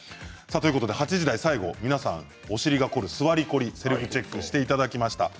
８時台の最後に皆さんお尻が凝る座りコリのセルフチェックをしてもらいました。